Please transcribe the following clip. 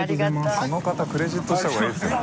この方クレジットした方がいいですよ。